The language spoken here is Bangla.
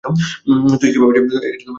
তুই কীভাবে জানিস?